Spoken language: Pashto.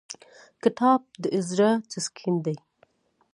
کتاب د زړه تسکین دی.